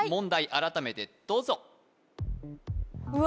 改めてどうぞ・うわ